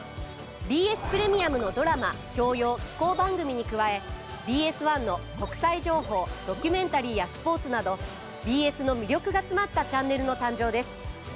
ＢＳプレミアムのドラマ教養紀行番組に加えＢＳ１の国際情報ドキュメンタリーやスポーツなどＢＳの魅力が詰まったチャンネルの誕生です。